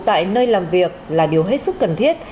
tại nơi làm việc là điều hết sức cần thiết